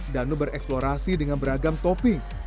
danu bereksplorasi dengan beragam topping